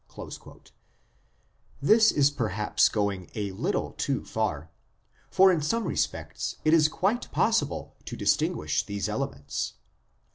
l This is perhaps going a little too far, for in some respects it is quite possible to distinguish these elements.